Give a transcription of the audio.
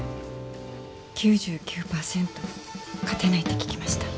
９９％勝てないって聞きました。